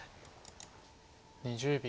２０秒。